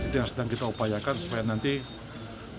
itu yang sedang kita upayakan supaya nanti